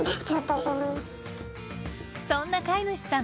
そんな飼い主さん